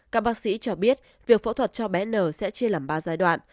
các bác sĩ cho biết việc phẫu thuật cho bé n sẽ chia làm ba giai đoạn